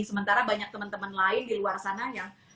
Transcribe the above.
sementara banyak teman teman lain di luar sana yang